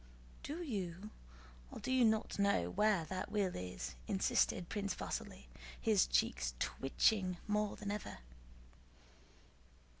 "Do you or do you not know where that will is?" insisted Prince Vasíli, his cheeks twitching more than ever.